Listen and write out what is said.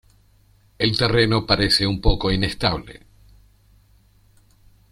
El terreno parece un poco inestable.